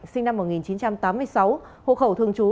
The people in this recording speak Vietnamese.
sinh năm một nghìn chín trăm tám mươi sáu hộ khẩu thường trú